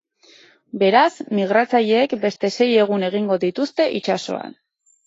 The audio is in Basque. Beraz, migratzaileek beste sei egun egingo dituzte itsasoan.